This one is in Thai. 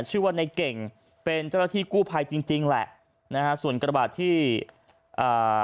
ชื่อว่าในเก่งเป็นเจ้าหน้าที่กู้ภัยจริงจริงแหละนะฮะส่วนกระบาดที่อ่า